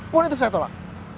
pun itu saya tolak